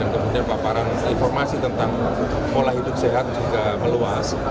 kemudian paparan informasi tentang pola hidup sehat juga meluas